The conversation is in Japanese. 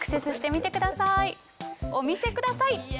お見せください。